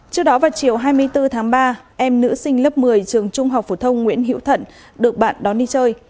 trước đó vào chiều hai mươi bốn tháng ba em nữ sinh lớp một mươi trường trung học phổ thông nguyễn hiễu thận được bạn đón đi chơi